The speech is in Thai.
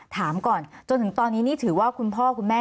ถามก่อนจนถึงตอนนี้นี่ถือว่าคุณพ่อคุณแม่